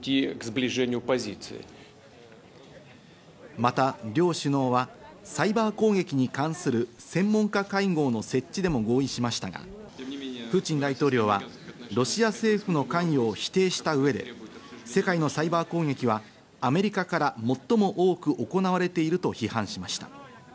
また両首脳はサイバー攻撃に関する専門家会合の設置でも合意しましたが、プーチン大統領はロシア政府の関与を否定した上で、世界のサイバー攻撃はアメリカから最も多く行われていると批判しました。